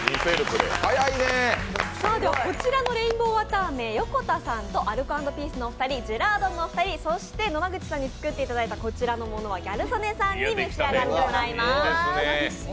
こちらのレインボーわたあめ、アルコ＆ピースのお二人ジェラードンのお二人、そして野間口さんに作っていただいたこちらのものはギャル曽根さんに召し上がってもらいます。